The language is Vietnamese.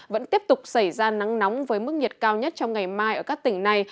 vẫn tiếp tục xảy ra nắng nóng với mức nhiệt cao nhất trong ngày mai ở các tỉnh này